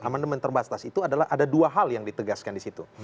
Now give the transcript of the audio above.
amandemen terbatas itu adalah ada dua hal yang ditegaskan di situ